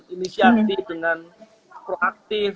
inisiatif dengan proaktif